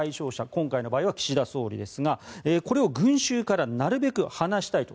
今回の場合は岸田総理ですがこれを群衆からなるべく離したいと。